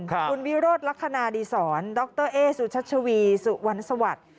คุณวิโรธลักษณะดีศรดรเอสุชัชวีสุวรรณสวัสดิ์